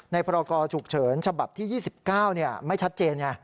พรกรฉุกเฉินฉบับที่๒๙ไม่ชัดเจนไง